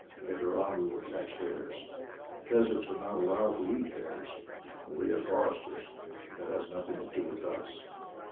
Later on we will catch hares. Peasants are not allowed to eat hares, but we are foresters, and that has nothing to do with us."